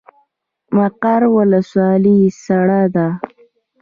مقر ولسوالۍ سړه ده؟